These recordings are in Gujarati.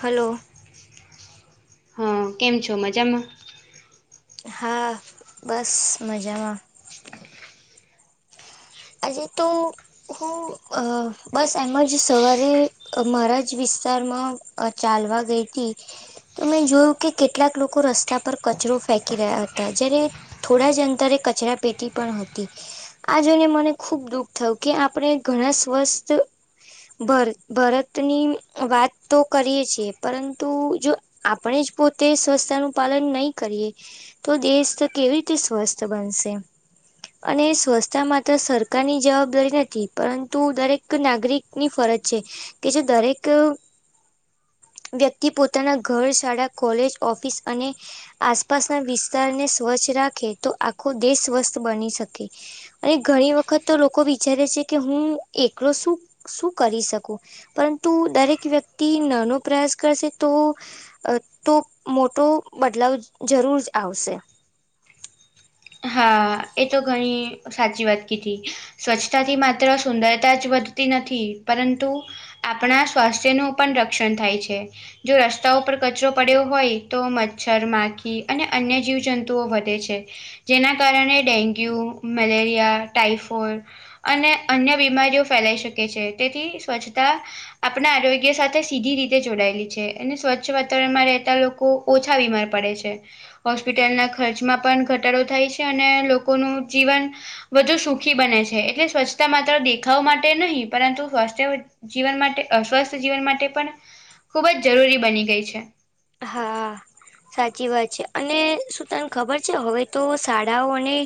હલો હં કેમ છો મજામાં? હા બસ મજામાં. આજે તો હું અ બસ એમ જ સવારે મારા જ વિસ્તારમાં અ ચાલવા ગઈ તી તો મેં જોયું કે કેટલાક લોકો રસ્તા પર કચરો ફેંકી રહ્યા હતા જ્યારે થોડા જ અંતરે કચરા પેટી પણ હતી આ જોઈને મને ખુબ દુઃખ થયું કે આપણે ઘણા સ્વસ્થ ભર ભરતની વાત તો કરીએ છીએ પરંતુ જો આપણે જ પોતે સ્વચ્છતા નું પાલન નહી કરીએ તો દેશ કેવી રીતે સ્વસ્થ બનશે અને સ્વચથતા માત્ર સર કાની જવાબદારી નથી પરંતુ દરેક નાગરિકની ફરજ છે. કે જો દરેક વ્યક્તિ પોતાના ઘર શાળા કોલેજ ઓફિસ અને આસપાસના વિસ્તારને સ્વચ્છ રાખે તો આખો દેશ સ્વસ્થ બની શકે. અને ઘણી વખત તો લોકો વિચારે છે કે હું એકલો શું શું કરી શકુ? પરંતુ દરેક વ્યક્તિ નાનો પ્રયાસ કરશે તો અ તો મોટો બદલાવ જરૂર જ આવશે. હા એ તો ઘણી સાચી વાત કીધી. સ્વચ્છતાથી માત્ર સુંદરતા જ વધતી નથી પરંતુ આપણા સ્વાસ્થ્ય નું પણ રક્ષણ થાય છે. જો રસ્તાઓ પર કચરો પડ્યો હોય તો મચ્છર માખી અને અન્ય જીવજંતુઓ વધે છે. જેના કારણે ડેન્ગ્યુ, મલેરિયા, ટાઈફોઈડ અને અન્ય બીમારીઓ ફેલાઈ શકે છે તેથી સ્વચ્છતા આપણા આરોગ્ય સાથે સીધી રીતે જોડાયેલી છે અને સ્વચ્છ વાતાવરણમાં રહેતા લોકો ઓછા બીમાર પડે છે હોસ્પિટલના ખર્ચમાં પણ ઘ ઘટાડો થાય છે અને લોકોનું જીવન વધુ સુખી બને છે એટલે સ્વચ્છતા માત્ર દેખાવ માટે નહીં પરંતુ સ્વાસ્થ્ય જીવન માટે અસ્વસ્થ જીવન માટે પણ ખૂબ જ જરૂરી બની ગઈ છે. હા. સાચી વાત છે અને શું તને ખબર છે હવે તો શાળાઓ અને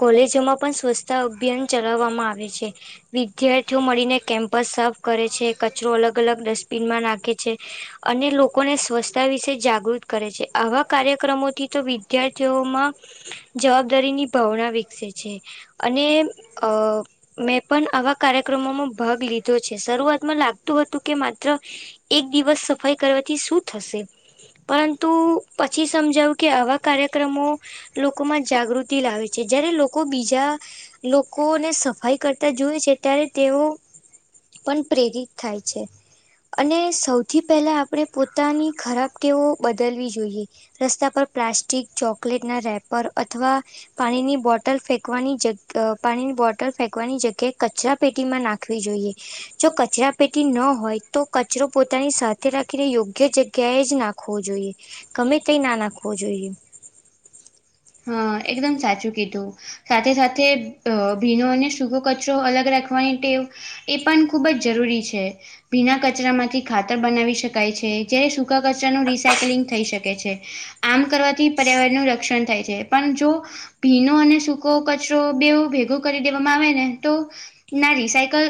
કોલેજોમાં પણ સ્વચ્છતા અભિયાન ચલાવવામાં આવે છે. વિદ્યાર્થીઓ મળીને કેમ્પસ સા કરે છે કચરો અલગ અલગ ડસ્ટબિનમાં નાખે છે અને લોકોને સ્વસ્થ તા વિશે જાગૃત કરે છે આવા કાર્યક્રમોથી તો વિદ્યાર્થીઓમાં જવાબદારીની ભાવના વિકસે છે અને અ મેં પણ આવા કાર્યક્રમોમાં ભાગ લીધો છે શરૂઆતમાં લાગતું હતું કે માત્ર એક દિવસ સફાઈ કરવાથી શું થશે? પરંતુ પછી સમજાયુ કે આવા કાર્યક્રમો લોકોમાં જાગૃતિ લાવે છે જયારે લોકો બીજા લોકોને સફાઈ કરતા જોવે છે ત્યારે તેઓ પણ પ્રેરિત થાય છે અને સૌથી પહેલાં આપણે પોતાની ખરાબ ટેઓ બદલવી જોઈએ. રસ્તા પર પ્લાસ્ટિક, ચોકલેટ ના રેપર અથવા, પાણીની બોટલ ફેંકવાની જગ પાણીની બોટલ ફેંકવાની જગ્યાએ કચરા પેટીમાં નાખ જોઈ જો કચરા પેટી ન હોય તો કચરો પોતાની સાથે રાખીને યોગ્ય જગ્ય કે જ નાખવો જોઈએ ગમે તે ના નાખવો જોઈએ. હા એકદમ સાચું કીધું. સાથે સાથે ભીનો અને સૂખો કચરો અલગ રાખવાની ટેવ, એ પણ ખૂબ જ જરૂરી છે. ભીના કચરામાંથી ખાતર બનાવી શકાય છે જ્યારે સૂકા કચરાનું રિસાયકલિંગ થઈ શકે છે. આમ કરવાથી પર્યાવરણનું રક્ષણ થાય પણ જો ભીનો અને સૂકો કચરો બે ભેગો કરી દેવામાં આવે ને તો, ના રિસાયકલ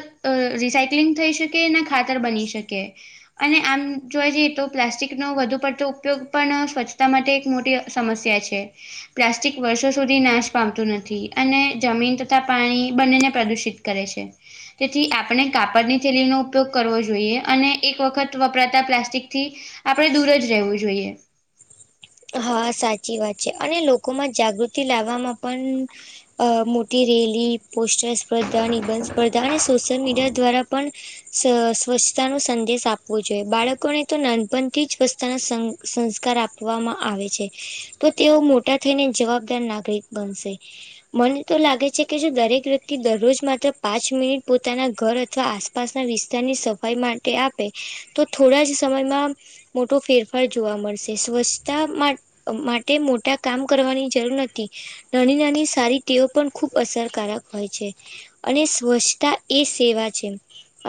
રિસાયક્લિંગ થઈ શકે ના ખાતર બની શકે. અને આમ જોવા જઈએ તો પ્લાસ્ટિકનો વધુ પડતો ઉપયોગ પણ સ્વચ્છતા માટે એક મોટી, સમસ્યા છે. પ્લાસ્ટિક વર્ષો સુધી નાશ પામતું નથી અને જમીન તથા પાણી બંનેને પ્રદૂષિત કરે છે. તેથી આપણે કાપડની થેલીનો ઉપયોગ કરવો જોઈએ અને એક વખત વપરાતા પ્લાસ્ટિકથી, આપણે દૂર જ રહેવું જોઈએ. હા સાચી વાત છે અને લોકોમાં જાગૃતિ લાવવામાં પણ, અ મોટી રેલી, પોસ્ટર, સ્પર્ધા, નિબંધ સ્પર્ધા અને સોશિયલ મીડિયા દ્વારા, પણ, સ્વચ્છતા નો સંદેશ આપવો જોઈએ બાળકોને તો નાનપણથી સ્વચથતાના સ સંસ્કાર આપવામાં, આવે છે, તો તેઓ મોટા થઈને જવાબદાર નાગરિક બનશે. મને તો લાગે છે કે જો દરેક વ્યક્તિ દરરોજ માત્ર પાંચ મિનિટ પોતાના ઘર અથવા આસપ પાસના વિસ્તારની સફાઈ માટે આપે તો થોડા જ સમયમાં, મોટો ફેરફાર જોવા મળશે સ્વસ્છ તા માં માટે મોટા કામ કરવાની જરૂર નથી. નાની નાની સારી ટેવો પણ ખૂબ અસરકારક હોય છે. અને સ્વચ્છતા એ સેવા છે.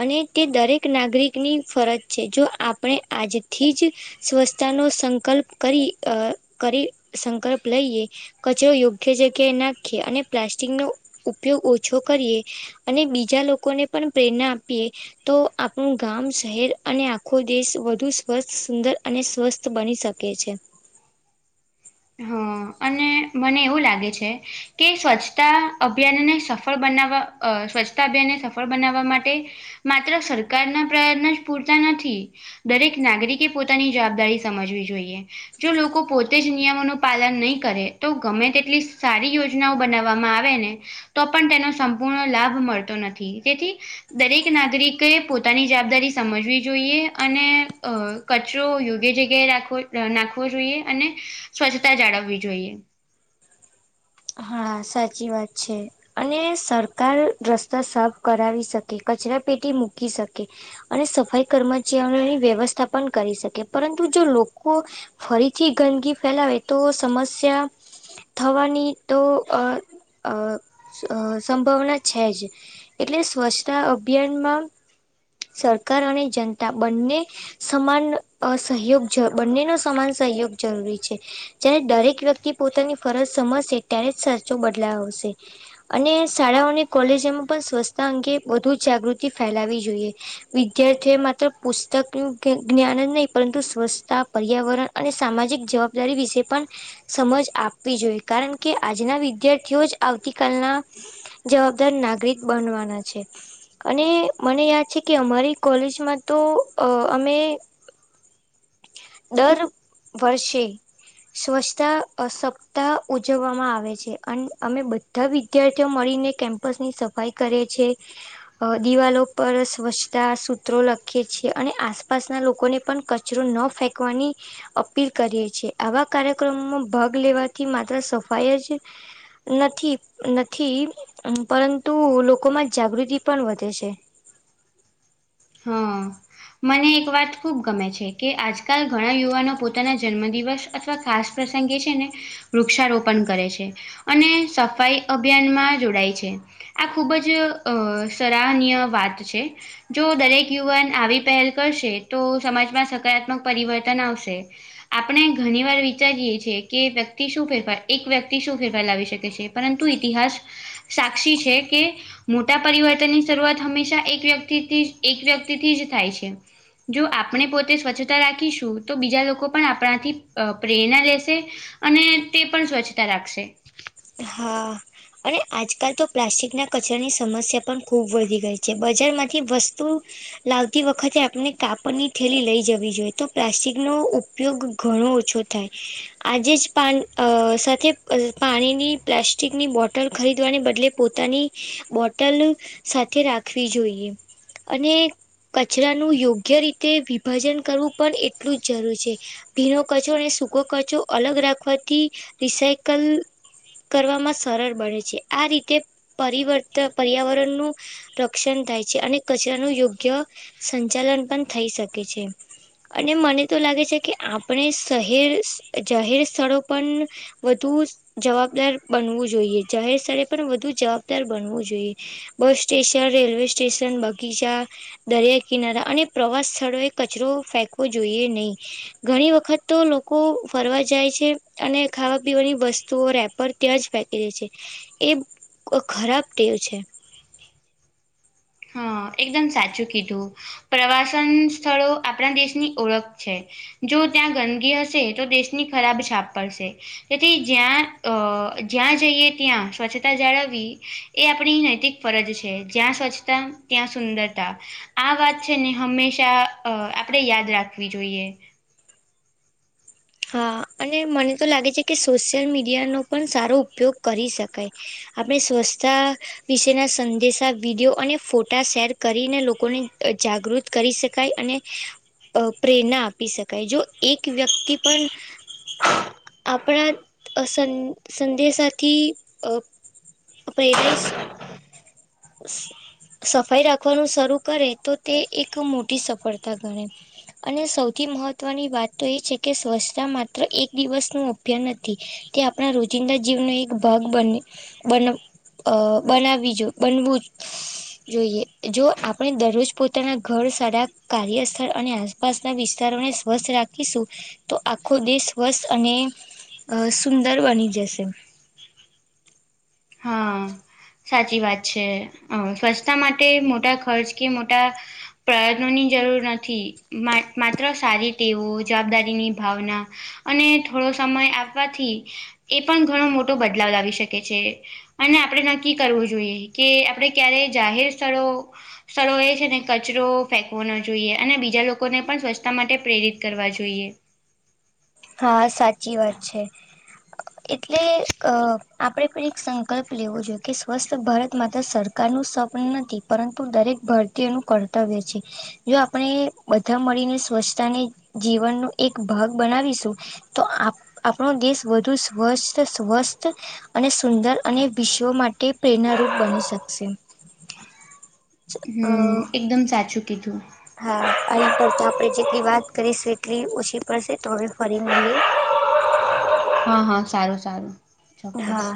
અને તે દરેક નાગરિકની ફરજ છે જો આપણે આજથી જ, સ્વચ્છતા નો સંકલ્પ કરી અ કરી સંકલ્પ લઈએ. કચરો યોગ્ય જગ્યાએ નાખીએ અને પ્લાસ્ટિકનો ઉપયોગ ઓછો કરીએ. અને બીજા લોકોને પણ પ્રેરણા આપીએ, તો આપણું ગામ, શહેર અને આખો દેશ વધુ સ્વસ્થ સુંદર અને સ્વસ્થ બની શક કે છે. હ અને મને એવું લાગે છે. કે સ્વચ્છતા અભિયાનને સફળ બનાવવા અ સ્વચ્છતા અભિયાનને સફળ બનાવવા માટે, માત્ર સરકારના પ્રયત્ન જ પૂરતા નથી, દરેક નાગરિકે પોતાની જવાબદારી સમજવી જોઈએ જો લોકો પોતે જ નિયમોનું પાલન નહીં કરે તો ગમે તેટલી સારી યોજનાઓ બનાવવામાં આવે ને, તો પણ તેનો સંપૂર્ણ લાભ મળતો નથી તેથી, દરેક નાગરિકે પોતાની જવાબદારી સમજવી જોઈએ અને અ, કચરો યોગ્ય જગ્યાએ રાખો, નાખવો જોઈએ અને સ્વચ્છતા જાળવવી જોઈએ. હા સાચી વાત છે. અને સરકાર રસ્તા સાફ કરાવી શકે, કચરા પેટી મૂકી શકે, અને સફાઈ કર્મચારીઓની વ્યવસ્થા પણ કરી શકે પરંતુ જો લોકો, ફરીથી ગંદગી ફેલાવે તો સમસ્યા થવાની, તો અ અ અ સંભાવના છે જ, એટલે સ્વચ્છતા અભિયાનમાં સરકાર અને જનતા બંને, સમાન અ સહયોગ બંનેનો સમાન સહયોગ જરૂરી છે. જય્યારે દરેક વ્યક્તિ પોતાની ફરજ સમજશે ત્યારે જ સાચો બદલાવ આવશે. અને શાળાઓ અને કોલેજોમાં પણ સ્વચ્છતા અંગે વધુ જાગૃતિ ફેલાવી જોઈએ. વિદ્યાર્થી એ માત્ર પુસ્તકનું જ્ઞાન જ નહીં પરંતુ સ્વચ્છતા, પર્યાવરણ, અને સામાજિક જવાબદારી વિશે પણ સમજ આપવી જોઈએ કારણ, કે આજના વિદ્યાર્થીઓ જ આવતી કાલના જવાબદાર નાગરિક બનવાના છે. અને મને યાદ છેકે અમારી કોલેજમાં તો અ અમે, દર, વર્ષે સ્વચ્છતા અસપ્તાહ ઉ ઉજવવામાં આવે છે. અને અમે બધા વિદ્યાર્થીઓ મળીને કેમ્પસની સફાઈ કરે છે. અ દિવાલો પર સ્વચ્છતા સૂત્રો લખીએ છેએ અને આસપાસના લોકોને પણ ક [unintelligible] કચરો ન ફેંકવાની અપીલ કરીએ છે. આવા કાર્યક્રમમાં ભાગ લેવાથી માત્ર સ [unintelligible] ફાઈ જ છે. નથી નથી પરંતુ લોકોમાં જાગૃતિ પણ વધે છે. હા, મને એક વાત ખુબ ગમે છે કે આજકાલ ઘણા યુવાનો પોતાના જન્મદિવસ, અથવા ખાસ પ્રસંગે છે ને, વૃક્ષારોપણ કરે છે, અને સફાઈ અભિયાનમાં જોડાય છે. આ ખુબ જ અ સરાહનીય વાત છે. જો દરેક યુવાન આવી પહેલ કરશે તો સમાજમાં સકારાત્મક પરિવર્તન આવશે. આપણે ઘણી વાર વિચારીએ છીએ કે વ્યક્તિ શું ફેરફાર એક વ્યક્તિ શું ફેરફાર લાવી શકે છે. પરંતુ ઇતિહાસ સાક્ષી છે કે મોટા પરિવર્તનની શરૂઆત હંમેશા એક વ્યક્તિથી જ એક વ્યક્તિથી જ થાય છે. જો આપણે પોતે સ્વચ્છતા રાખીશું તો બીજા લોકો પણ આપણાથી પ્રેરણા લેશે અને તે પણ સ્વચ્છતા રાખશે. હા. અને આજકાલ તો પ્લાસ્ટિકના કચરાની સમસ્યા પણ ખૂબ વધી ગઈ છે બજારમાંથી વસ્તુ લાવતી વખતે આપણે કાપડની થેલી લઈ જવી જોઈએ તો પ્લાસ્ટિકનો ઉપયોગ ઘણો ઓછો થાય આજે જ પાન અ સાથે પાણીની પ્લાસ્ટિકની બોટલ ખરીદવાને બદલે પોતાની બોટલ સાથે રાખવી જોઈએ અને કચરાનું યોગ્ય રીતે વિભાજન કરવું પણ એટલું જ જરૂર છે. ભીનો કચો અને સૂકો કચો અલગ રાખવાથી રિસાયકલ કરવામાં સરળ બને છે. આ રીતે પરિવર્તન પર્યાવરણનું રક્ષણ થાય છે, અને કચરાનું યોગ્ય સંચાલન પણ થઈ શકે છે. અને મને તો લાગે છેકે આપણે શહેર જાહેર સ્થળો પણ વધુ જવાબદાર બનવું જોઈએ જાહેર સ્થળે પણ વધુ જવાબદાર બનવું જોઈએ. બસ સ્ટેશન રેલ્વે સ્ટેશન બગીચા દરિયા કિનારા પ્રવાસ સ્થળોએ કચરો ફેંકવો જોઈએ નહી. ઘણી વખતતો લોકો ફરવા જાય છે, અને ખાવા પીવાની વસ્તુઓ રેપર ત્યાં જ ફેકી દે છે એ ખરાબ ટેવ છે. હા એકદમ સાચું કીધું પ્રવાસન સ્થળો આપણા દેશની ઓળખ છે. જો ત્યાં ગંદગી હશે તો દેશની ખરાબ છાપ પડશે. તેથી જ્યાં અ જ્યાં જઈએ ત્યાં સ્વચ્છતા જાળવી એ આપણી નૈતિક ફરજ છે, જ્યાં સ્વચ્છતા ત્યાં સુંદરતા આ વાત છેને હંમેશા અ આપણે યાદ રાખવી જોઈએ. હા અને મનેતો લાગે છેકે સોશિયલ મીડિયાનો પણ સારો ઉપયોગ કરી શકાય. આપણે શવસ્થતા વિશેના સંદેશા વિડીયો અને ફોટા શેર કરીને લોકોને જાગૃત કરી શકાય અને પ્રેરણા આપી શકાય જો એક વ્યક્તિ પણ આપણા સં સંદેશાથી અ [unintelligible] સફાઈ રાખવાનું શરૂ કરે તો તે એ એક મોટી સફળતા ગણે. અને સૌથી મહત્વની વાત તો એ છે કે સ્વચ્છતા માત્ર એક દિવસ નું અભયન નથી. તે આપણા રોજિંદા જીવનો એક ભાગ બને બન અ બનાવી જો બનવું જ જોઈએ જો આપણે દરરોજ પોતાના ઘર સારા કાર્યસ્થળ અને પાસના વિસ્તારોને સ્વસ્થ રાખીશું તો આખો દેશ સ્વસ્થ અને સુંદર બની જશે. હા. સાચી વાત છે સ્વચ્છતા માટે મોટા ખર્ચ કે મોટા પપ્રયત્નો ની જરૂર નથી માત્ર સારી ટેઓ જવાબદારી ની ભાવના અને થોડો સમય આપવથી એ પણ ઘણો મોટો બદલાવ લાવી શકે છે અને આપણે નક્કી કરવું જોઈએ કે આપણે ક્યારે જાહેર સ્થળો સ્થળો એ છે ને કચરો ફેંકવો ન જોઈએ અને બીજા લોકોને પણ સ્વચ્છતા માટે પ્રેરિત કરવા જોઈએ. હા સાચી વાત છે. એટલે અ આપણેે પણ એક સંકલ્પ લેવો જોઈએ કે સ્વસ્થ ભારત માત્ર સર સરકાર નું સ્વપન નથી પરંતુ દરેક ભારતીયોનું કર્તવ્ય છે. જો આપણે બધા મળીને સ્વચ્છતાને જીવનનો એક ભાગ બનાવીશું તો આપણો દેશ વધુ સ્વસ્થ સ્વસ્થ અને સુંદર અને વિશ્વ માટે પ્રેરણારૂપ બની શકશે. અ હમ એકદમ સાચું કીધું. હા આની પર તો આપણે જેટલી વાત કરીશું એટલી ઓછી પડશે તો હવે ફરી મળીએ. હા હા સારું સારું ચોક્કસ. હા